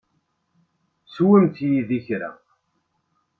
Swemt yid-i kra.